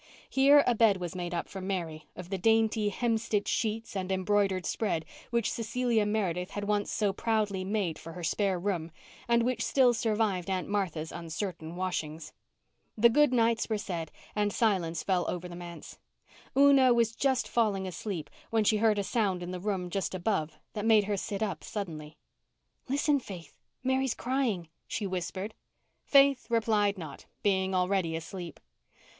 Here a bed was made up for Mary of the dainty hemstitched sheets and embroidered spread which Cecilia Meredith had once so proudly made for her spare room, and which still survived Aunt Martha's uncertain washings. The good nights were said and silence fell over the manse. Una was just falling asleep when she heard a sound in the room just above that made her sit up suddenly. "Listen, Faith—Mary's crying," she whispered. Faith replied not, being already asleep.